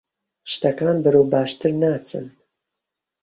شتەکان بەرەو باشتر ناچن.